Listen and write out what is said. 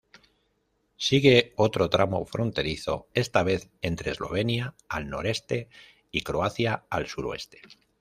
Sigue otro tramo fronterizo, esta vez entre Eslovenia, al noreste, y Croacia, al suroeste.